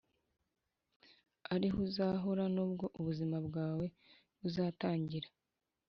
ariho uzahora, nubwo ubuzima bwawe buzatangira.